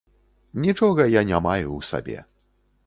Нічога я не маю ў сабе.